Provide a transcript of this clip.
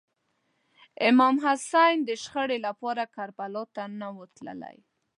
امام حسین د شخړې لپاره کربلا ته نه و تللی.